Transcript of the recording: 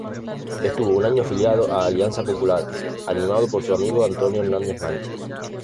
Estuvo afiliado un año a Alianza Popular, animado por su amigo Antonio Hernández Mancha.